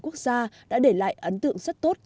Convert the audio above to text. quốc gia đã để lại ấn tượng rất tốt